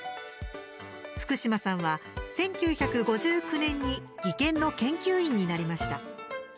福島さんは１９５９年に技研の研究員になりました。